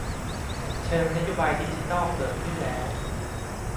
เชิงนโยบายดิจิทัล เกิดขึ้นแล้ว